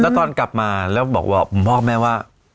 แล้วตอนกลับมาแล้วบอกว่าคุณพ่อกับแม่ว่า